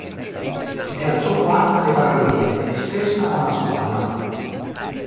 Si piazzò quarta alle parallele e sesta con la squadra.